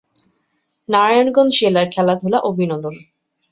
নারায়ণগঞ্জ জেলার খেলাধুলা ও বিনোদন